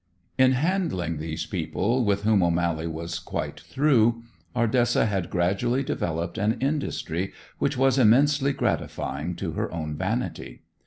In handling these people with whom O'Mally was quite through, Ardessa had gradually developed an industry which was immensely gratifying to her own vanity.